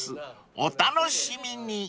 ［お楽しみに］